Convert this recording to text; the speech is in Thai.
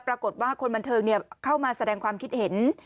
ปรากฏว่าคนบันเทิงเข้ามาแสดงความคิดเห็น